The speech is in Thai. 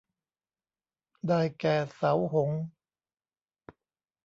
ได้แก่เสาหงส์